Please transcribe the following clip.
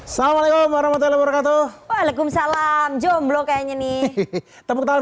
assalamualaikum warahmatullahi wabarakatuh waalaikumsalam jomblo kayaknya nih tepuk tangan